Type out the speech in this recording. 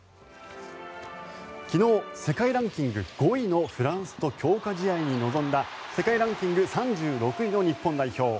昨日、世界ランキング５位のフランスと強化試合に臨んだ世界ランキング３６位の日本代表。